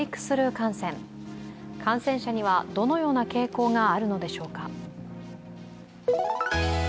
感染者にはどのような傾向があるのでしょうか。